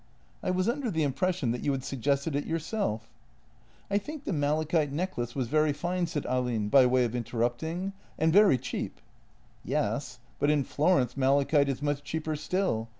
" I was under the impression that you had suggested it your self. JENNY 23 " I think the malachite necklace was very fine," said Ahlin, by way of interrupting —" and very cheap." " Yes, but in Florence malachite is much cheaper still.